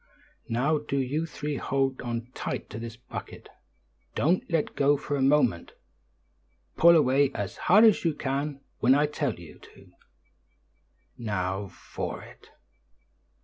"Now do you three hold on tight to this bucket; don't let go for a moment; pull away as hard as you can when I tell you to. Now for it!"